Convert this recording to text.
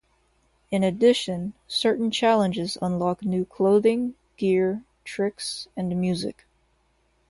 In addition, certain challenges unlock new clothing, gear, tricks, and music.